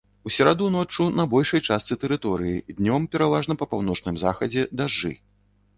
У сераду ноччу на большай частцы тэрыторыі, днём пераважна па паўночным захадзе дажджы.